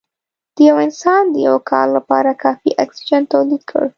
د یو انسان د یو کال لپاره کافي اکسیجن تولید کړ